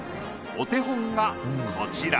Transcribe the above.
お手本がこちら。